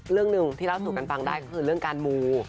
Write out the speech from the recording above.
เรื่องหนึ่งที่เล่าสู่กันฟังได้คือเรื่องการมู